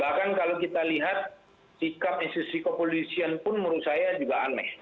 bahkan kalau kita lihat sikap institusi kepolisian pun menurut saya juga aneh